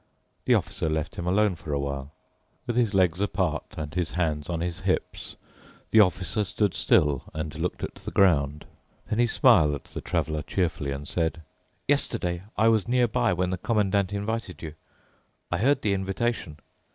The Officer left him alone for a while. With his legs apart and his hands on his hips, the Officer stood still and looked at the ground. Then he smiled at the Traveler cheerfully and said, "Yesterday I was nearby when the Commandant invited you. I heard the invitation.